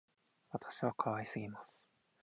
私は可愛すぎます